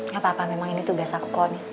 gak apa apa memang ini tugas aku kondisi